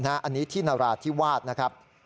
อันนี้ที่นราธิวาสนะครับ